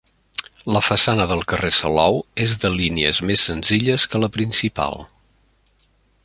La façana del carrer Salou és de línies més senzilles que la principal.